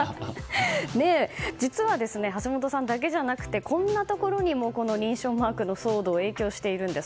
実は、橋下さんだけじゃなくてこんなところにもこの認証マークの騒動影響しているんです。